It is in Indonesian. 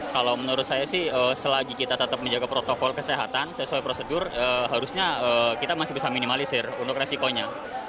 kalau menurut saya sih selagi kita tetap menjaga protokol kesehatan sesuai prosedur harusnya kita masih bisa minimalisir untuk resikonya